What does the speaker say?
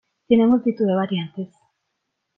Tiene multitud de variantes.